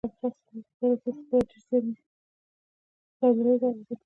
آیا او خپله برخه نه ادا کوي؟